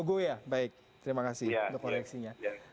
kogo ya baik terima kasih untuk reaksinya